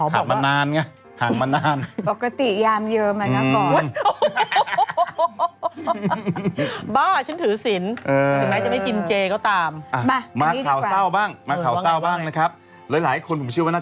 ห่างมานานไง